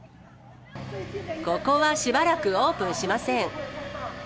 ここはしばらくオープンしません。